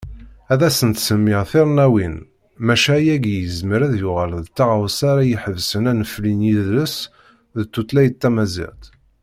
Ad asent-semmiɣ tirennawin, maca ayagi yezmer ad yuɣal d taɣawsa ara iḥebsen anefli n yidles d tutlayt tamaziɣt.